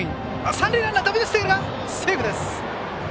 三塁ランナー、飛び出していたがセーフです。